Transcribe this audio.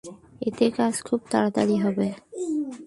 এতে কাজ খুব তাড়াতাড়ি হবে।